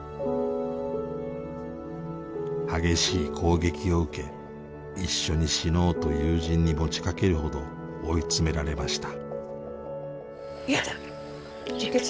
激しい攻撃を受け一緒に死のうと友人に持ちかけるほど追い詰められました。